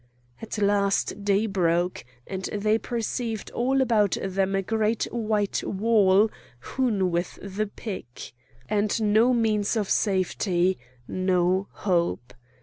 At last day broke; and they perceived all about them a great white wall hewn with the pick. And no means of safety, no hope!